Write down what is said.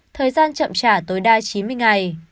thời gian chậm trả tối đa chín mươi ngày